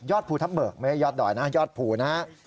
ภูทับเบิกไม่ใช่ยอดดอยนะยอดภูนะฮะ